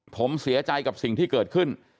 ผมเสียใจกับสิ่งที่เกิดขึ้น